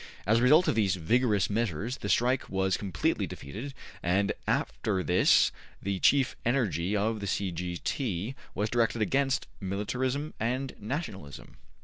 As a result of these vigorous measures the strike was completely defeated, and after this the chief energy of the C. G. T. was directed against militarism and nationalism.